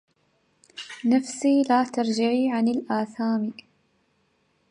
نفس لا ترجعي عن الآثام